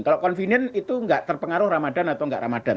kalau konvinien itu nggak terpengaruh ramadan atau nggak ramadan